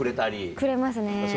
くれますね。